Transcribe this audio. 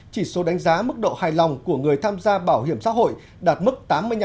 chỉ số đánh giá mức độ hài lòng của người tham gia bảo hiểm xã hội đạt mức tám mươi năm